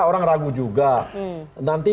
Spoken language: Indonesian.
orang ragu juga nanti